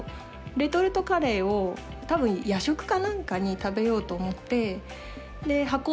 レトルトカレーを多分夜食か何かに食べようと思って。